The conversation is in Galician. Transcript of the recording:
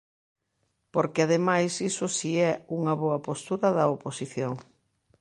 Porque ademais iso si é unha boa postura da oposición.